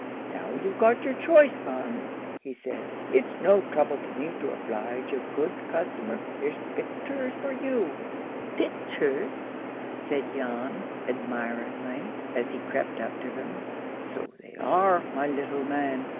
"Now you've got your choice, marm," he said. "It's no trouble to me to oblige a good customer. There's picters for you!" "Pitchers!" said Jan, admiringly, as he crept up to them. "So they are, my little man.